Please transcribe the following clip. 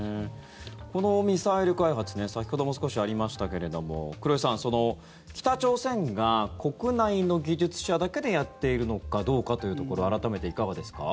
このミサイル開発先ほども少しありましたけれども黒井さん、北朝鮮が国内の技術者だけでやっているのかどうかというところ改めていかがですか。